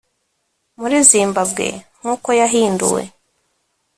muri zimbabwe nk uko yahinduwe